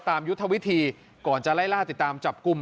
ยุทธวิธีก่อนจะไล่ล่าติดตามจับกลุ่ม